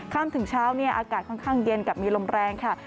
ถึงเช้าอากาศค่อนข้างเย็นกับมีลมแรงค่ะ